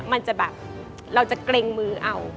มันจะแบบเราจะเกรงมือเอา